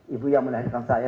ibu yang melahirkan saya